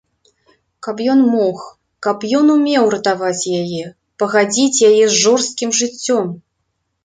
Каб ён мог, каб ён умеў ратаваць яе, пагадзіць яе з жорсткім жыццём!